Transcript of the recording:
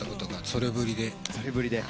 それぶりで。